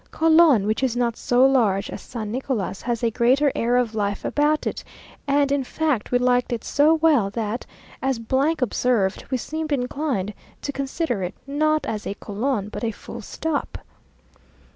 Colon, which is not so large as San Nicolas, has a greater air of life about it; and in fact we liked it so well, that, as observed, we seemed inclined to consider it, not as a colon, but a full stop.